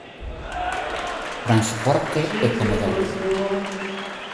Transporte e comedor.